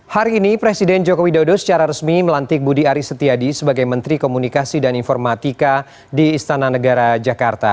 hari ini presiden joko widodo secara resmi melantik budi aris setiadi sebagai menteri komunikasi dan informatika di istana negara jakarta